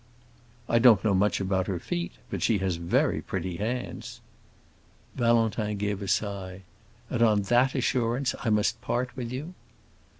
"I don't know much about her feet, but she has very pretty hands." Valentin gave a sigh. "And on that assurance I must part with you?"